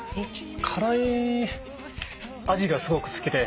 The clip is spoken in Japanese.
辛い味がすごく好きで。